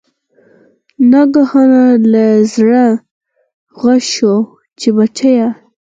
ناګهانه له زړه غږ شو چې بچیه!